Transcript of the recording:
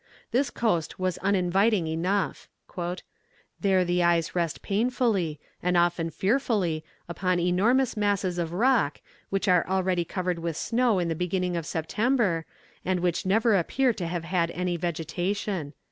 This coast was uninviting enough. "There the eyes rest painfully, and often fearfully, upon enormous masses of rock, which are already covered with snow in the beginning of September, and which never appear to have had any vegetation."